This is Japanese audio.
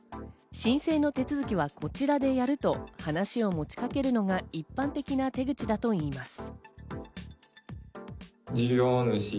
申請の手続きはこちらでやると話を持ちかけるのが一般的な手口だといいます。